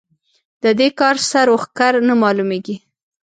د دې کار سر و ښکر نه مالومېږي.